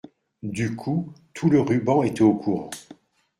Du coup tout le ruban était au courant.